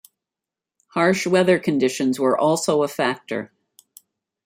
Harsh weather conditions were also a factor.